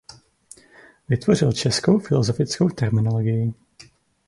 Vytvořil českou filosofickou terminologii.